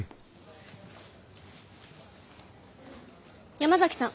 山崎さん